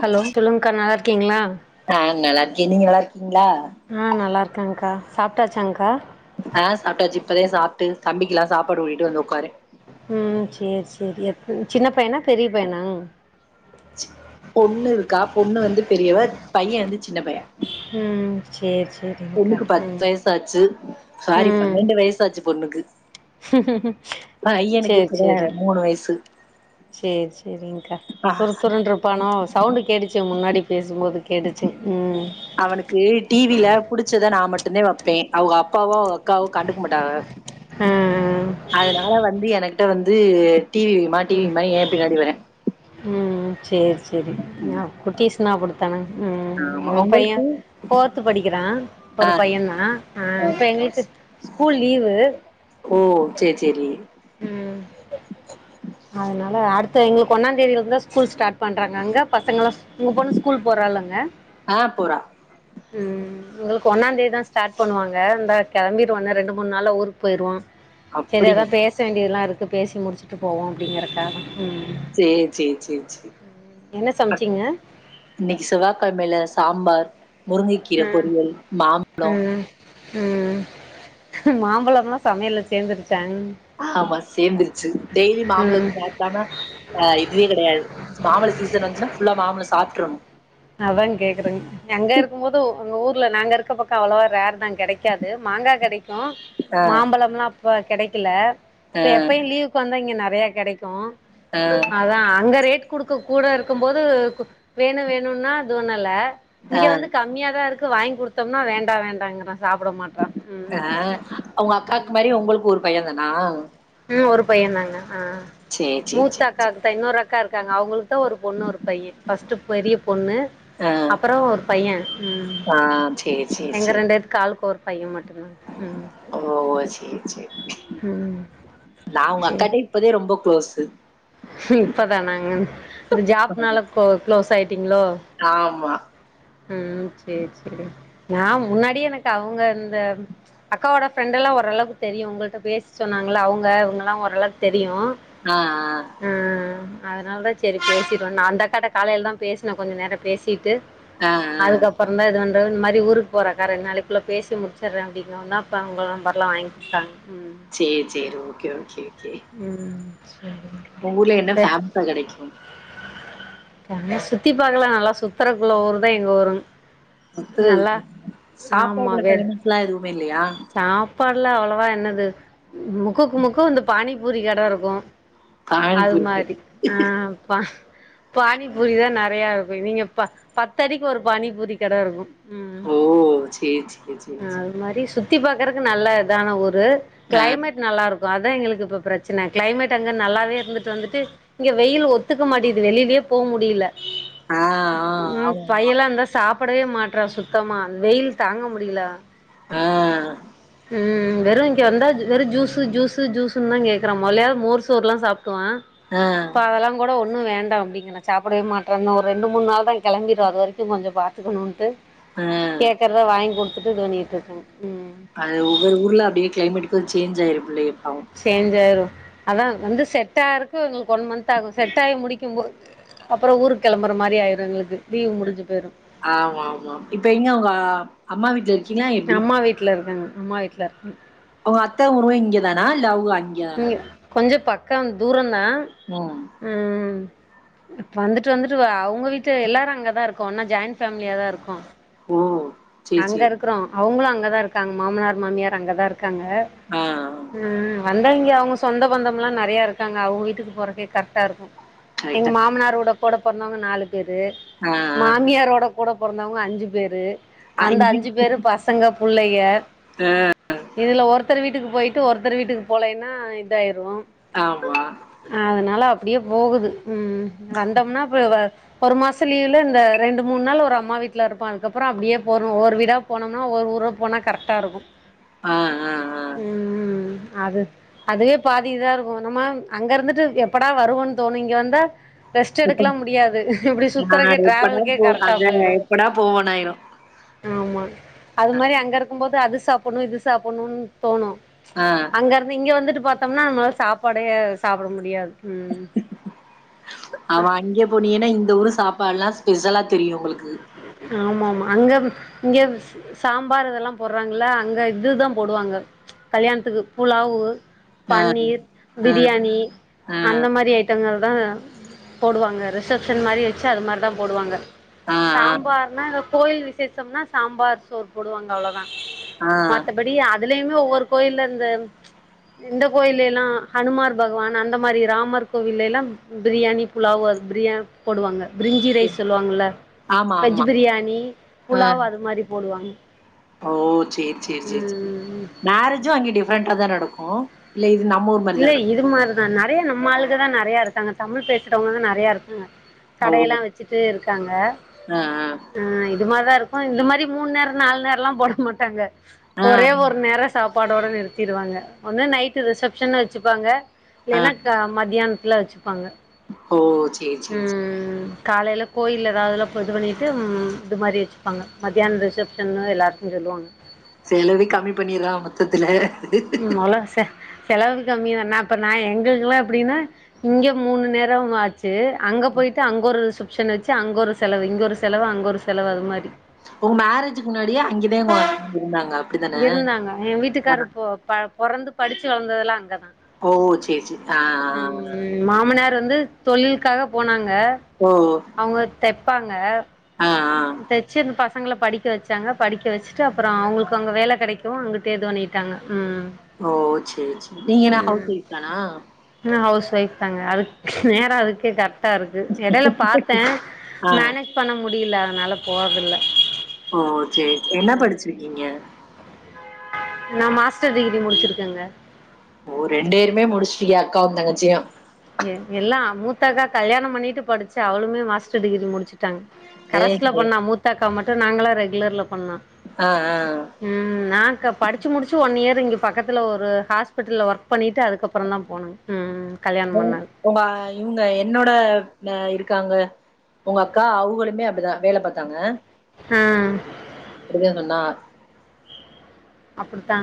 Hello சொல்லுங்க்கா நல்லாருக்கீங்களா அ நல்லாருக்கே நீங்க நல்லாருக்கீங்களா அ நல்லாருக்கங்க்கா சாப்ட்டாச்சாங்க்கா அ சாப்ட்டாச்சு இப்பதா சாப்ட்டு தம்பிக்கிலா சாப்பாடு ஊட்டிட்டு வந்து ஒக்காறேன் ம் சேரி சேரி எத்துன் சின்ன பையனா பெரிய பையனா பொண்ணுருக்கா பொண்ணு வந்து பெரியவ பையன் வந்து சின்னப்பய ம் சேர் சேர் பொண்ணுக்கு பத்து வயசாச்சு சாரி ம் பன்னெண்டு வயசாச்சு பொண்ணுக்கு பயனுக்கு சேரி இப்பதா சேரி மூணு வயசு சேரி சேரிங்க்கா ஆ துரு துருன்ருப் பானோ சவுண்ட்டு கேட்டுச்சு முன்னாடி பேசும்போது கேட்டுச்சு ம் அவனுக்கு டிவில புடிச்சத நா மட்டந்தே வப்பே அவுக அப்பாவோ அக்கவோ கண்டுக மாட்டாக ஆ ஆ அதனால வந்து எனகிட்ட வந்து டிவி வை மா டிவி வைமா ஏம்பின்னாடி வரா ம் ம் சேர் செரி ஞா கொட்டேஸ்யனா கொடுத்தாங்க ம் ஆமா உங்களுக்கு ஏம்ப்பையன் ஃபோர்த்து படிக்கிறான் ஆ ஒரு பையந்தான் அ ஆ. இப்ப எங்களுக்கு ஸ் ஸ்கூல் லீவு ஓ சேரி சேரி ம் அதனால அடுத்த எங்களுக்கு ஒன்னா தேதிலருந்தான் ஸ்கூல் ஸ்டார்ட் பண்றாங்க அங்க பசங்களா உங்க பொண்ணு ஸ்கூல் போறாளாங்க அ போறா ம் எங்களுக்கு ஒன்னாந்தேதி தான் ஸ்டார்ட் பண்ணுவாங்க இந்தா கெளம்பிருவோம் இன்னும் ரெண்டு மூணு நாள்ல ஊருக்ப்போயிருவோம் செரி அப்படியா அதான் பேச வேண்டியதல்லாருக்கு பேசி முடிச்சுட்டு போவோம் அப்டிங்கறக்காக ம் சேரி சே சே சே என்ன சமச்சீங்க இன்னக்கி செவ்வாக்கழமெல சாம்பார் முருங்கக்கீர ம் பொரியல் மாம்பொழம் ம் ம் மாம்பழம்மா சமையல்ல சேந்துருச்சா ஆமா சேந்துருச்சு டெய்லி ம் மாம்பழம் சாப் ப்டாம ஆ இதுவே கெடயாது மாம்பழ சீசன் வந்துச்சுனா ஃபுல்லா மாம்பழம் சாப்ட்றணு அதான்ங் கேக்குறேங் எங்க இருக்கும் மோதும் உங்க ஊர்ல நாங்க இருக்க பக்கம் அவ்வளவா ரேர் தான் கடைக்காது மாங்காய் கடைக்கும் ஆ மாம்பழம்லாம் அப்ப கடைக்கில ஆ இப்ப எப்பயும் லீவுக்கு வந்தா இங்க நறைய கெடைக்கும் ஆ அதா அங்க ரேட் குடுக்க கூட இருக்கும் போது வேணும் வேணும்ன்னா அது ஒண்ணுல்ல ஆ இங்க வந்து கம்மியாதான் இருக்கு வாங்கி கொடுத்தாம்னா வேண்டாம் வேண்டாங்கறாங்க அ அவ்ங்க அக்காக்கு மாரி உங்ளுக்கு ஒரு பையன் தானா ம் ஒரு பையன் தாங்க ஆ சேரி சேரி சேரி சேரி மூத்தக்காக் மூத்த இன்னோரு அக்கா இருக்காங்க அவுங்களுக்கு தான் ஒரு பொண்ணு ஒரு பையன் ஃபஸ்ட்டு பெரிய பொண்ணு ஆ அப்புறோம் ஒரு பையன் ம் ஆ சேரி சேரி எங்க சேரி ரெண்டு பேத்துக்கு ஆலுக்கு ஒரு பையன் மட் டும்தான் ம் ஓ சேரி சேரி ம் நான் உங்க அக்காக்கே இப்தேன் ரொம்ப க்குளோஸ்சு ம் இப்பதானங்க இந்த ஜாப்னால கோ குளோஸ் ஆயிட்டீங்ளோ ஆமா ம் சேரி சேரி நா முன்னாடி எனக்கு அவுங்க இந்த அக்காவோட ஃப்ரெண்ட் எல்லாம் ஓரளவுக்கு தெரியும் உங்ககிட்ட பேச சொன்னாங்கள அவுங்க இவங்க எல்லாம் ஓரளவுக்கு தெரியும் ஆ ஆ ஆ அதனால தான் சேரி பேசிடுவே நான் அந்த அக்காட்ட காலைல தான் பேசுனன் கொஞ்சோம் நேரம் பேசிட்டு ஆ ஆ அதுக்கப்புறோம் தான் இது வந்து இந்த மாரி ஊருக்கு போறக்கா ரென்டு நாளைளுள்ள பேசி முடிச்சுறன் அப்டின்னா வொன்னாக்கா அவுங்க நம்பர்லாம் வாங்கி குத்தாங்க ம் சேரி சேரி ஓகே ஓகே ஓகே ம் சேரிங்க உங்க ஊர்ல என்ன பேமஸ்சா கெடைக்கும் என்ன சுத்தி பாக்கலாம் நல்லா சுத்தறக்குள்ள ஊர் தான் எங்க ஊரும் நல்லா சாப்பாடுல ஆமாங்க ஃபேமஸ்லாம் எதுவுமே இல்லையா? சாப் சாப்பாடுல அவ்ளோவா என்னது முக்குக்கு முக்குக்கு வந்து பானிபூரி கட இருக்கும் பானி அது பூரி. மாரி ஆ பா பானிபூரிதான் நறையா இருக்கும் இவிங்க ப பத்தடிக்கு ஒரு பானிபூரி கட இருக்கும் ம் ஓ! சேரி, சேரி, சேரி, ம் சேரி. அதுமாரி சுத் சுத்தி பாக்குறதுக்கு நல்ல தி பாக்குறக்கு நல்ல இதான ஊரு ஆ. கிளைமேட் நல்லாருக்கு அத எங்களுக் இப்ப பிரச்சனை கிளைமேட் அங்க நல்லாவே இருந்துட்டு வந்துட்டு இங்க வெயில் ஒத்துக்க மாட்டேது வெளியிலயே போ முடில ஆ, ஆ. ம் ஆமாமா. பையெல்லா இந்தா சாப்பிடவே மாற்ற சுத்தமா வெயில் தாங்க முடில ஆ ம் ம் வெறும் இங்க வந்தா வெறும் ஜூசு ஜூசு ஜூஸ் ட்டும்தா கேக்குற மோதலையாது மோர் சோறுல்லா சாப்டுவா ஆ இப்ப அதெல்லா கூட ஒண்ணு வேண்டா அப்டிங்கிற சாப்பிடவே மாட்ற ஒரு ரெண்டு மூணு நாள் தா கிளம்பிடுவ அது வரைக்கு கொஞ்ச பாத் துக்கணுன்ட்டு ஆ கேக்கறத வாங்கி குடுத்துட்டு இது பண்ணிட்டு இருக்க ம் அது ஒவ்வரு ஊரல அப்டியே கிளைமேட் கு சேஞ்ச் ஆயிரும் புள்ளைக பாவோ சேஞ்ச் ஆயிரு அதா வந்து செட்டாக எங்களுக்கு ஒன் மந்த் ஆகும் செட் ஆகி முடிக்கும்போது அப்பறம் ஊரு கிளம்புற மாரி ஆயிரும் எங்களுக்கு லீவு முடிஞ்சு போயிரும் ஆமாமா இப்ப எங்க உங்க அம்மா வீட்ல இரு அம்மா வீட்ல இருக்கங்க அம்மா வீட்ல இருக்கங் அவ அத்த ஊரு இங்கே தானா இல்ல அவு இங்க கொஞ்ச பக்கம் தூரம்தா ம் ம் வந்துட்டு வந்துட்டு அவுங்க வீட்டு எல்லாரு அங்கதா இருக்கோ ஒன்னா ஜாயிண்ட் ஃபேமிலியாதா இருக்கோ ஓ! சேரி, சேரி. அங்கருக்குறோ அவுங்களு அங்கதா இருக்காங்க மாமனார் மாமியார் அங்கதா இருக் காங்க ஆ, ஆ. ம் ம் வந்த இங்க அவுங்க சொந்த பந்தம் எல்லாம் நெறைய இருக்காங்க அவுங்க வீட்டுக்கு போறக்கே கரெக்டா இருக்கு எங்க கரெக்ட்டா. மாமனாரோட கூட பேறந்தவங்க நாலு பேரு ஆ, ஆ. மாமியாரோட கூட பொறந்தவங்க அஞ்சு பேரு அ அந்த இங்க அஞ்சு பேரு பசங்க புள்ளைக ஆ இதுல ஒருத்தர் வீட்டுக்கு போயிட்டு ஒருத்தர் வீட்டுக்கு போலேன்னா இதாயிரு ஆமா அதுனால அப்டியே போகுது ம் வந்தோம்னா அப்ப வ ஒரு மாசம் லீவ்ல இந்த ரெண்டு மூணு நாள் ஒரு அம்மா வீட்ல்ல இருப்பான் அதுக்கப்பற அப்டியே போறணு ஒவ்வொரு விடா போனோம்னா ஒவ்வொரு ஊர போனா கரெக்டாக இருக்கு ஆ ஆ ஆ ம் ம் அது அதுவே பாதி‌ இதா இருக்கு நம்ம அங்க இருந்துட்டு எப்படா வருவோன்னு தோணு இங்க வந்தா ரெஸ்ட் எடுக்கலா முடியாது இப்டி ஆ சுத்துறதுக்கே எப்படா டிராவலுக்கே போ கரெக்டா அத போயிடும் எப்படா போவோனாயிரு ஆமா அது மாரி அங்க இருக்கம் போது அது சாப்புணு இது சாப்புணு தோணு ஆ இங்கருந்து இங்க வந்துட்டு பார்த்தோம்னா நம்மளால சாப்பாடே சாப்ட முடியாது ம் அவன் அங்க பொனியன்னா இந்த ஊரு சாப்பாடுல்லா ஸ்பெஷலா தெரியு உங்களுக்கு ஆமாமா அங்கருந் இங்கருந் சாம்பார் இதெல்லா போறாங்கல்லா அங்க இதுதா போடுவாங்க கல்யாணத்துக்கு புலாவு ஆ பன்னீர் ஆ பிரியாணி ஆ அந்த மாரி ஐ ட்டங்கள் தா போடுவாங்க ரிசப்ஷன் மாரி வச்சு அது மாரி தா போடுவாங்க ஆ சாம்பார்னா இந்த கோவில் விசேஷம்னா சாம்பார் சோர் போடுவாங்க அவ்வளதா ஆ அப்படி அதுலயுமே ஒவ்வரு கோயில்ல அந்த எந்த கோயில எல்லா ஹனுமார் பகவான் அந்த மாரி ராமர் கோவில்லால்லா பிரியாணி புலாவ் அ பிரியா போடுவாங்க பிரிஞ்சி ரைஸ் சொல்லுவாங்கள்ல ஆமா வெஜ் ஆமா பிரியாணி ஆ புலாவ் அது மாரி போடுவாங்க ஓ சேரி சேரி சேரி சேரி ம் மேரேஜும் அங்க டிஃரெண்டா தா நடக்கு இல்ல இது நம்ம ஊர் மாரிதா இல்ல நடக்கு இது மாரிதா நெறைய நம்ம ஆளுகதா நெறைய இருக்காங்க தமிழ் பேசுறவங்கதா நெறைய இருக்காங்க கடையெல்லா ஓ வச்சுட்டு இருக்காங்க ஆ ஆ ஆ இது மாரிதா இருக்கும் அ அ இது மாரி தா இருக்கு இந்த மாரி மூணு நேரோ நாலு நேரல்லா போட மாட்டாங்க ஆ ஆ ஒரே ஒரு நேரோ சாப்பாடோடு நிறுத்திடுவாங்க வந்து நைட்டு ரிசப்ஷன் வச்சுப்பாங்க ஆ இல்லேனா க‌ மத்தியானத்துல வச்சுப்பாங்க ஓ சேரி சேரி சே ம் காலையில கோயில ஏதாவதுலா இது பண்ணிட்டு இது மாரி வச்சுப்பாங்க மத்தியானோ ரிசப்ஷன்னு எல்லாருக்கு சொல்லுவாங்க செலவே கம்மி பண்ணியர்லா மொத்ததுல ம் ஒல சே செலவு கம்மிய தா நா அப்ப நா எங்களுக்கல்லா எப்டின்னா இங்க மூணு நேரம் ஆச் ச்சு அங்க போயிட்டு அங்க ஒரு ரிசப்ஷன் வச்சு அங்க ஒரு செலவு இங்க ஒரு செலவு அங்க ஒரு செலவு அது மாரி உங்க மேரேஜ்க்கு முன்னாடியே அங்கேதே இருந்தாங்க அப்படிதானே? இருந்தாங்க எங்க ஆ. வீட்டுக்காரரு ப பொ பொறந்து படிச்சு வளர்ந்ததெல்லா அங்கதா ஓ சேரி சேரி ஆ ஆ ங்க ம் மாமனார் வந்து தொழிலுக்காக போனாங்க ஓ ஓ அவங்க தெப்பாங்க தெச்சு இந்த பசங்கள படிக் டிக்க வச்சாங்க படிக்க வச்சுட்டு அப்புறோ அவங்களுக்கு அங்க வேல கெடைக்கவு அங்குட்டே இது பண்ணிட்டாங்க ம் ஓ சரி சரி நீங்க என்ன ஹவுஸ் ஒய்ஃப் தானா ம் நா ஹவுஸ் ஒய்ஃப் தாங்க அதுக்கு நேரோ அதுக்கே கரக் ட்டா இருக்கு எடைல பார்த்தே ஆ. மனேஜ் பண்ண முடியல அதனால போறதில்ல ஓ சேரி என்னப் படிச்சிருக்கீங்க நா மாஸ்டர் டிகிரி முடிச்சிருக்கேங்க ஓ ரெண்டேருமே முடிச்சிட்யே அக்காவுந்தங்கச்சியு எல்லா மூத்தக்கா கல்யாணோ பண்ணிட்டு படிச்சா அவளுமே மாஸ்டர் டிகிரி முடிச்சுட் டாங் ஏய் கரஸ்ல ஏ பண்ணா மூத்தாக்கா மட்டு நாங்களா ரெகுலர்ல பண்ணோ ஆ ஆ நாங்கா படிச்சு முடிச்சு ஒன் இயர் இங்க பக்கத்துல ஒரு ஹாஸ்பிட்டல்ல ஒர்க் பண்ணிட்டு அதுக்கப்புறோ தா போனேங் கல் இவங்க உங்க இவங்க என்னோட இருக்காங்க உங்க அக்கா அவகளுமே அப்டிதா வேல பார்த்தாங்க ம் அப்டிதா சொன்னா அப்டித்தா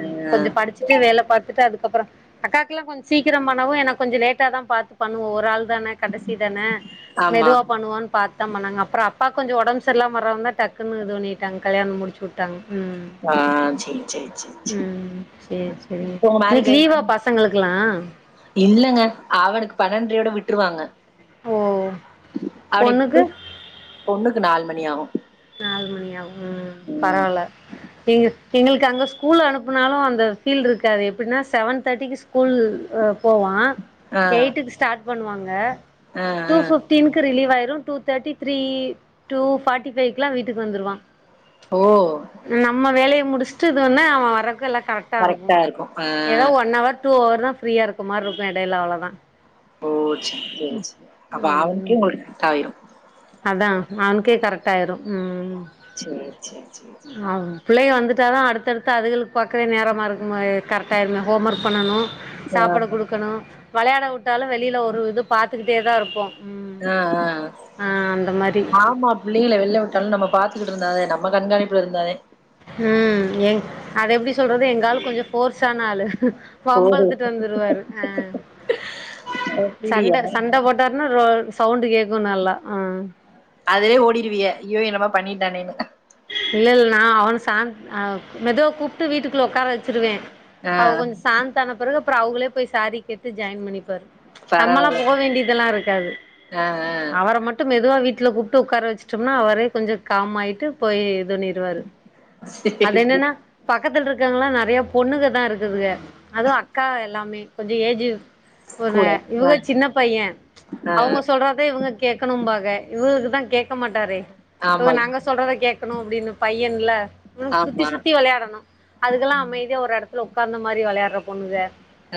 அ கொஞ்சம் படிச்சுட்டு வேல பார்த்துட்டு அதுக் கப்புறோ அக்காக்குல்லா கொஞ்சோ சீக்கிரோ பண்ணவு எனக்கு கொஞ்சோ லேட்டா தா பார்த்து பண்ணுவோ ஒரு ஆள் தானே கடைசி தனே ஆமா. மெதுவா பண்ணுவோன் பார்த் த்தா பண்ணாங்க அப்புறோ அப்பாக் கொஞ்சோ ஒடம்பு சரியில்லாம வறவோனே டக்குன்னு இது பண்ணிட்டாங்க கல்யாணோ முடிச்சுட் டாங் ம் ஆ சரி சரி சரி சரி. ம் செரி செரிங்க உங்க இன்னைக்கி மேரேஜ் ஆயி லீவா எத்தன பசங்களுக்குல்லா இல்லங்க அவனுக்கு பன்னெண்ரையோட விட்ருவாங்க ஓ அவனை பொண்ணுக்கு இப்போஸ் பொண்ணுக்கு நாலு மணி ஆகு நாலு மணி ஆகு ம் பரவால்ல நீங்க எங்களுக்கு அங்க ஸ்கூல் அனுப்புனாலு அந்த ஃபீல் ருக்காது எப்டினா செவன் தேர்டிக்கு ஸ் ஸ்கூல் அ போவா ஆ, எயிட்டுக்கு ஸ்டார்ட் பண்ணுவாங்க ஆ, டூ ஆ. ஃபிஃப் டின்கு ரிலீவ் ஆயிரு two thirty three two forty ஃபைவ்க்குலா வீட்டுக்கு வந்துருவா ஓ நம்ம வேலைய முடிச்சுட்டு இது பண்ணா அவ வரக்கு எல்லா கரெக்ட்டா இருக்கு இருக்கும். ஆ. எதோ ஒன் ஹவர் டூ ஹவர் தா ஃப்ரீயா இருக்க மார் இருக்கு எடைல அவ்ளோதா ஓ சேரி சேரி சேரி அப்ப அவனுக்கே உங்களுக்கு ட்டாயிரு அதா அவனுக்கே கரெக்ட்டாயிரு ம் சேரி சேரி சேரி சேரி பிள்ளைக வந்துட்டாதா அடுத்தடுத்து அதுகளுக்கு பாக்கவே நேரமா இருக்கு மாரியே இரு கரெக்ட்டா ஆயிருமே ஹோம் ஒர்க் பண்ணணு ஆ, சாப்பாட குடுக்கணு வெளாட வுட்டாலு வெளில ஒரு இது பாத்துக்கிட்டே தா இருப்போ ம் ஆ ஆ ஆ அந்த மாரி ஆமா ப் பிள்ளைகள வெளில வுட்டாலு நம்ம பாத்துக்கிட்டு இருந்தாதே நம்ம கண்காணிப்புல இருந்தாதே ம் எ அது எப்டி சொல்றது எங்காளு கொஞ்சோ ஃபோர்ஸான ஆளு ஓஹோ! வம்பிழுத்துட்டு வந்துருவாரு ஆ அப்டியா? சண்ட சண்ட போட்டாருனா ரோ சவுண்டு கேக்கு நல்லா ஆ அதுவே ஓடிருவிய்க அய்யோ என்னமோ பண்ணிட்டானேனு இல்ல இல்ல நா அவன சாந் ஆ மெதுவா கூப்ட்டு வீட்டுக்குள்ள ஒக்கார வச்சிருவே ஆ, அவ கொஞ்சோ சாந்தான பெறகு அப்பற அவுகளே போய் சாரி கேட்டு ஜாயின் பண்ணிப்பாரு நம்மளா போ பரவால்லங்க. வேண்டியதெல்லா இருக்காது ஆ, ஆ. அவர மட் டு மெதுவா வீட்ல கூப்பிட்டு உக்கார வச்சுட்டோம்னா அவரே கொஞ்ச காம் ஆயிட்டு போய் இது பண்ணிருவாரு அது சரி. என்னன்ன பக்கத்துல இருக்கங்கெல்லா நெறைய பொண்ணுங்க தா இருக்குதுக அதும் அக்கா எல்லாமே கொஞ்சோ ஏஜ்ஜீ கூட. பொண்ணுக ஆ, இவுக சின்ன பையே ஆ. அவுங்க சொல்றத இவுங்க கேக்கணும்பாக இவுகளுக்குதா கேக்க மாட்டாரே இவுக ஆமா. நாங்க சொல்றத கேக் கேக்கணு அப்டின்னு பையேன்ல இவனுக்கு சுத்தி ஆமா. சுத்தி வெளையாடணு அதுகெல்லா அ அமைதியா ஒரு எடத்துல ஒக்காந்த மாரி வெளையாடுற பொண்ணுக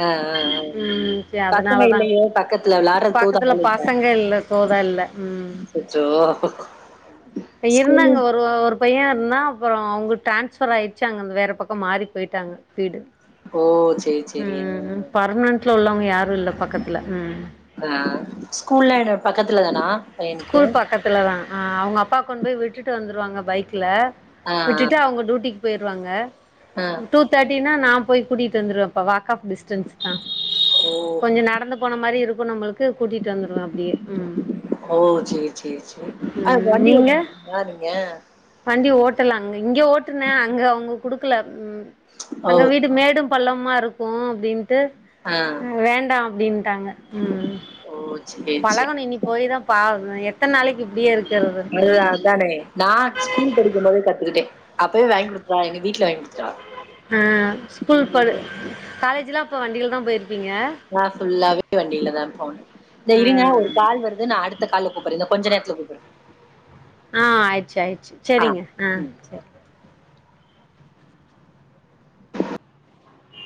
அ அ ம் சே பசங்க அதனாலதா இல்லையோ பக்கத்துல விளாட்றதுக்கு பக்கத்துல ஆள் பசங்க இல்ல தோதா இல்ல ம் அச்சோ இப்ப இருந்தாங்க ஒரு ஓ ஒரு பையே இருந்தா அப்பறோ அவுங்க டிரான்ஸ்ஃபர் ஆயிருச்சு அங்க அங்க வேற பக்கம் மாறி போய்ட்டாங்க வீடு ஓ! சரி சரி. அ ம் பர்மனன்ட்ல உள்ளவுங்க யாரு இல்ல பக்கத்துல ம் ஆ ஸ்கூல்ல எட பக்கத்துல தானா பையனுக்கு? ஸ்கூல் பக்கத்துல தா அ அவுங்க அப்பா கொண்டு போய் விட்டுட்டு வந்துருவாங்க பைக்ல ஆ விட்டுட்டு அவுங்க ட்யூட்டிக்கு போயிருவாங்க அ டூ தேட்டினா நா போய் கூட்டிட்டு வந்துருவேபா வாக் ஆப் டிஸ்டன்ஸ் தா ஓ! கொஞ்சோ நடந்து போன மாரி இருக்கு நம்மளுக்கு கூட்டிட்டு வந்துருவே அப்டியே ம் ஓ சேரி சேரி சேரி அ ம் வண்டி ஓட்ட நீங்க மாட்டிங்களா நீங்க வண்டி ஓட்டல அங்க இங்க ஓட்டுனே அங்க அவுங்க குடுக்கல ம் ஓ! அங்க வீடு மேடும் பளமாருக்கு அப்டின் ட்டு ஆ வேண்டா அப்டின்ட்டாங்க ம் ஓ! சரி சரி. பழகனும் இனி போயி தா பாவம் எத்தன் நாளைக்கு இப்டியே இருக்கிறது முருகா ம் அதானே நா ஸ்கூல் படிக் க்கும் போதே கத்துக்கிட்டே அப்பவே வாய்ங் குடுப்பா எங்க வீட்ல வாய்ங் குடுத்துட்டா அ ஸ்கூல் போல காலேஜ்ல்லா அப்ப வண்டில தா போயிருப்பீங்க நா ஃபுல்லாவே வண்டில தா போனே இந்த ஆ இருங்க ஒரு கால் வருது நா அடுத்த கால்ல கூப்பிறேங்க கொஞ்ச நேரத்துல கூப்பிறே ஆ ஆய்ச்சு ஆய்ச்சு செரிங்க ஆ சரி